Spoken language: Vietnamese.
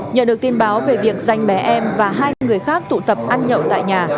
nhờ được tin báo về việc danh bé em và hai người khác tụ tập ăn nhậu tại nhà